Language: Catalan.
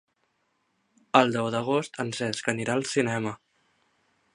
El deu d'agost en Cesc anirà al cinema.